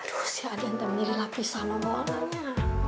aduh si adianta menirilah pisah sama bolanya